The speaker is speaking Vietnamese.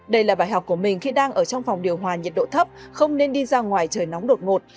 đây là bài học của mình khi đang ở trong phòng điều hòa nhiệt độ thấp không nên đi ra ngoài trời nóng đột ngột